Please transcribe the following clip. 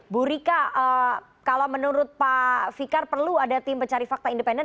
bu rika kalau menurut pak fikar perlu ada tim pencari fakta independen